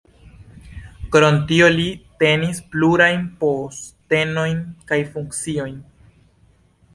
Krom tio li tenis plurajn postenojn kaj funkciojn.